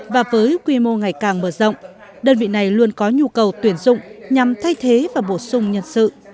và với quy mô ngày càng mở rộng đơn vị này luôn có nhu cầu tuyển dụng nhằm thay thế và bổ sung nhân sự